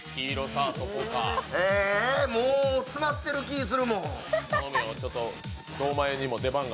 もう詰まってる気するもん。